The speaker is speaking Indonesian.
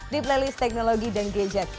di playlist teknologi dan gadget